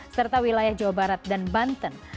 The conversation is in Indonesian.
serta wilayah jawa barat dan banten